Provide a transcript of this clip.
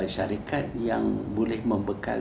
syarikat yang boleh membekal